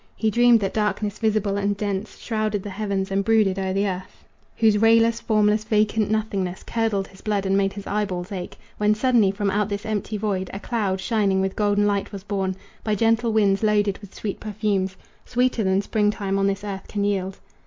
He dreamed that darkness, visible and dense, Shrouded the heavens and brooded o'er the earth, Whose rayless, formless, vacant nothingness Curdled his blood and made his eyeballs ache; When suddenly from out this empty void A cloud, shining with golden light, was borne By gentle winds, loaded with sweet perfumes, Sweeter than spring time on this earth can yield.